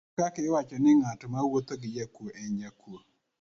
Kendo kaka iwacho ni ng'at mawuotho gi jakuo en jakuo.